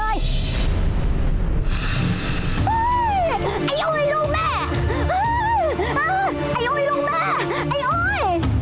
ไอ้โอ้ยลูกแม่